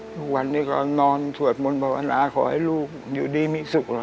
ทุกวันนี้ก็นอนสวดมนต์ภาวนาขอให้ลูกอยู่ดีมีสุขเหรอ